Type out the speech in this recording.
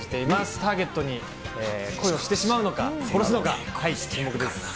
ターゲットに恋をしてしまうのか、殺すのか、注目です。